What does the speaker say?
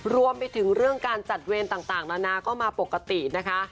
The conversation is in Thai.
รวมไปถึงเรื่องการจัดเวรต่างนานาก็มาปกตินะคะ